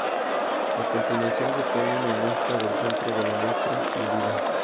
A continuación, se toma una muestra del centro de la muestra fundida.